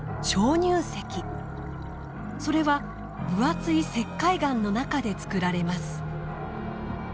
それは分厚い石灰岩の中でつくられます。